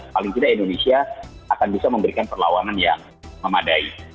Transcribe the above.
paling tidak indonesia akan bisa memberikan perlawanan yang memadai